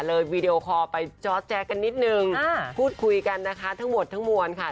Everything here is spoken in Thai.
วีดีโอคอลไปจอร์ดแจ๊กกันนิดนึงพูดคุยกันนะคะทั้งหมดทั้งมวลค่ะ